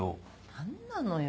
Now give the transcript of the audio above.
何なのよ